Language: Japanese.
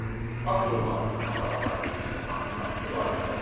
明くる晩また若い連中が集まってわいわい